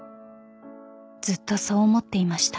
［ずっとそう思っていました］